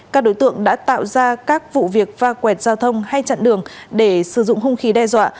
các đối tượng đã tạo ra các vụ việc pha quẹt giao thông hay chặn đường để sử dụng hung khí đe dọa